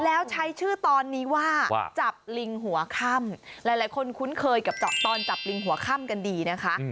แล้วใช้ชื่อตอนนี้ว่าจับลิงหัวค่ำหลายคนคุ้นเคยกับตอนจับลิงหัวค่ำกันดีนะคะ